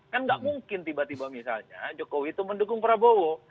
kan nggak mungkin tiba tiba misalnya jokowi itu mendukung prabowo